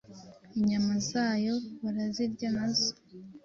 Inyama zayo barazirya, nazo